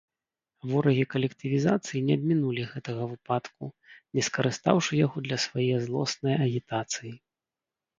Ворагі калектывізацыі не абмінулі гэтага выпадку, не скарыстаўшы яго для свае злоснае агітацыі.